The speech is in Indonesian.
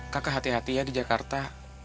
kakak hati hati ya di jakarta